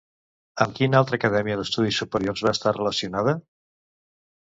Amb quina altra acadèmia d'estudis superiors va estar relacionada?